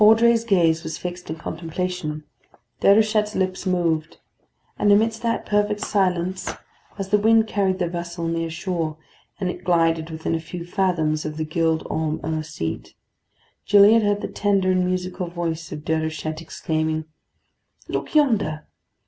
Caudray's gaze was fixed in contemplation. Déruchette's lips moved; and, amidst that perfect silence, as the wind carried the vessel near shore, and it glided within a few fathoms of the Gild Holm 'Ur seat, Gilliatt heard the tender and musical voice of Déruchette exclaiming: "Look yonder.